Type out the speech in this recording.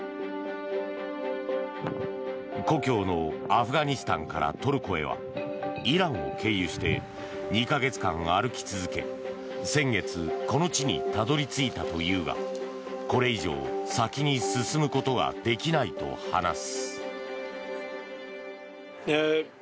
故郷のアフガニスタンからトルコへはイランを経由して２か月間歩き続け先月、この地にたどり着いたというがこれ以上先に進むことができないと話す。